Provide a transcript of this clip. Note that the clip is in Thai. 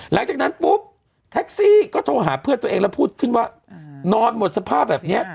หลังจากนั้นปุ๊บแท็กซี่ก็โทรหาเพื่อนตัวเองแล้วพูดขึ้นว่านอนหมดสภาพแบบนี้